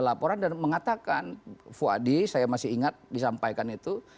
laporan dan mengatakan fuadi saya masih ingat disampaikan itu